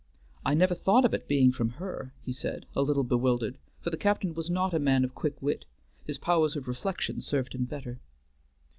"I never thought of its being from her," he said, a little bewildered, for the captain was not a man of quick wit; his powers of reflection served him better.